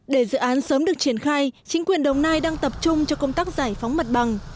để dự án sớm được triển khai chính quyền đồng nai đang tập trung cho công tác giải phóng mặt bằng